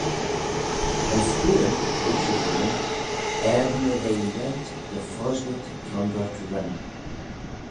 Ta'n screeuyn, hug shiu hooinyn, er ny ve lhaiht dy foshlit kiongoyrt rhym.